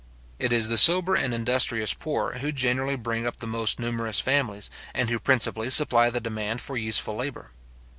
It is the sober and industrious poor who generally bring up the most numerous families, and who principally supply the demand for useful labour.